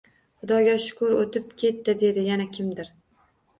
Xudoga shukr o‘tib ketdi dedi yana kimdir.